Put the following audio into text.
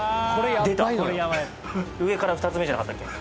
出た上から２つ目じゃなかったっけ？